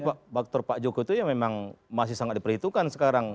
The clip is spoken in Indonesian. faktor pak jokowi itu ya memang masih sangat diperhitungkan sekarang